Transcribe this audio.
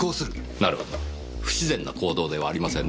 なるほど不自然な行動ではありませんねぇ。